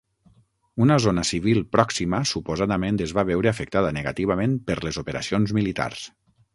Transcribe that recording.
Una zona civil pròxima suposadament es va veure afectada negativament per les operacions militars.